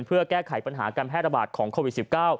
เพื่อแก้ไขปัญหาการแพร่ระบาดของโควิด๑๙